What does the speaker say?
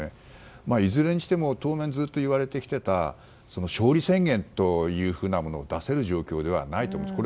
いずれにしても当面、ずっと言われてきた勝利宣言というふうなものを出せる状況ではないと思うんです。